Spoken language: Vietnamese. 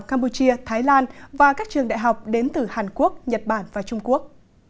campuchia thái lan và các trường đại học đến từ hàn quốc nhật bản và trung quốc